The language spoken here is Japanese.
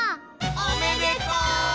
おめでとう！